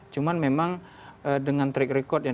cuman memang dengan track record yang